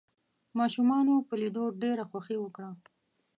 ماشومانو په ليدو ډېره خوښي وکړه.